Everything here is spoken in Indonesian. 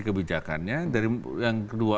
kebijakannya dari yang kedua